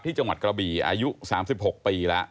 จังหวัดกระบี่อายุ๓๖ปีแล้ว